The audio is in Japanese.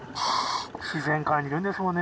自然界にいるんですもんね